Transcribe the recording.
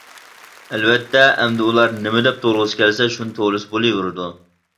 ئەلۋەتتە، ئەمدى ئۇلار نېمە دەپ توۋلىغۇسى كەلسە شۇنى توۋلىسا بولۇۋېرىدۇ.